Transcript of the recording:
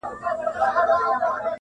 د سړیو سره خواته مقبره کي-